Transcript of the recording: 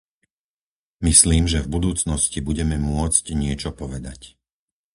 Myslím, že v budúcnosti budeme môcť niečo povedať.